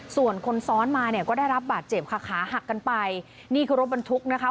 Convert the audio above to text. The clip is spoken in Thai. ส่วนคนซ้อนมาเนี่ยก็ได้รับบาดเจ็บค่ะขาหักกันไปนี่คือรถบรรทุกนะคะ